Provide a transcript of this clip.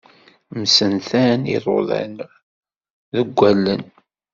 Msentan iḍudan deg allen.